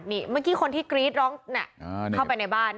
ที่คนที่กรี๊ดร้องเข้าไปในบ้าน